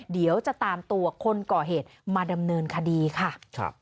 เดี๋ยวจะตามตัวคนก่อเหตุมาดำเนินคดีค่ะ